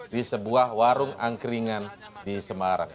di sebuah warung angkringan di semarang